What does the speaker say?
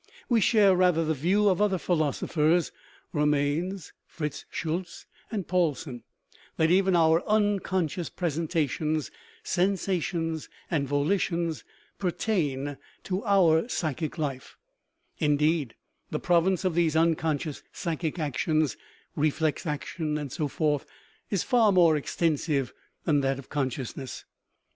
We share, rather, the view of other phi losophers (Romanes, Fritz Schultze, and Paulsen), that even our unconscious presentations, sensations, and volitions pertain to 'our psychic life; indeed, the province of these unconscious psychic actions (reflex action, and so forth) is far more extensive than that of consciousness.